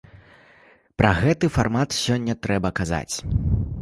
Пра гэты фармат сёння трэба казаць.